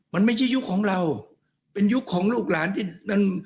มันไม่ใช่ยุคของเราเป็นยุคของลูกหลานที่นั่น